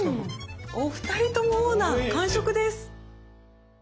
お二人ともオーナー完食です。